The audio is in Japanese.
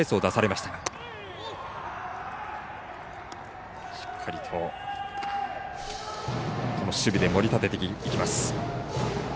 しっかりと守備で盛り立てていきます。